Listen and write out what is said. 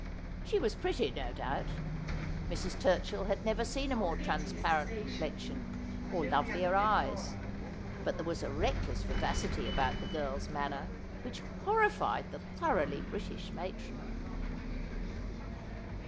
She was pretty, no doubt. Mrs. Turchill had never seen a more transparent com plexion, or lovelier eyes ; but there was a reckless vivacity about the girl's manner which horrified the thoroughly British matron.